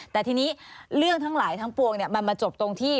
แต่ทีนี้เรื่องทั้งหลายทั้งปวงมันมาจบตรงที่